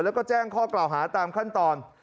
แล้วก็แจ้งข้อกล่าวหาตามขั้นตอน